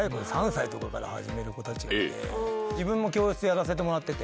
子たちがいて自分も教室やらせてもらってて。